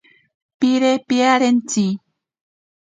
Pire piarentsi.